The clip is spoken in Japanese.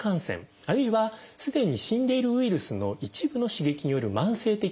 あるいはすでに死んでいるウイルスの一部の刺激による慢性的な炎症。